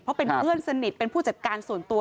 เพราะเป็นเพื่อนสนิทเป็นผู้จัดการส่วนตัว